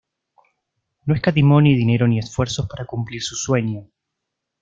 No escatimó ni dinero ni esfuerzos para cumplir su sueño.